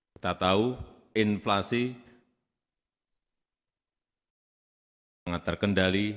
kita tahu inflasi sangat terkendali